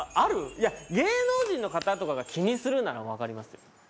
いや芸能人の方とかが気にするなら分かりますよ。